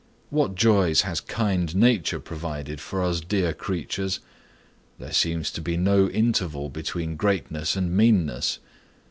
What joys has kind nature provided for us dear creatures! There seems to be no interval between greatness and meanness.